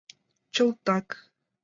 — Чылтак!